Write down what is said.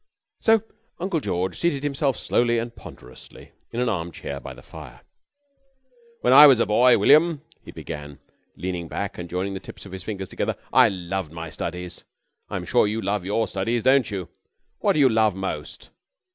So Uncle George seated himself slowly and ponderously in an arm chair by the fire. "When I was a boy, William," he began, leaning back and joining the tips of his fingers together, "I loved my studies. I'm sure you love your studies, don't you? Which do you love most?"